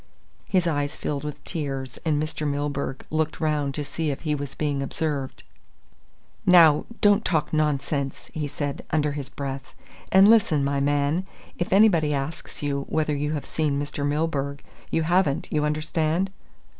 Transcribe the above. His eyes filled with tears and Mr. Milburgh looked round to see if he was being observed. "Now, don't talk nonsense!" he said under his breath, "and listen, my man; if anybody asks you whether you have seen Mr. Milburgh, you haven't, you understand?"